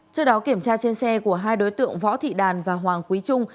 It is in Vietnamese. trước đó kiểm tra trên xe của hai đối tượng võ thị đàn và hoàng quý trung